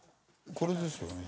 これですよね？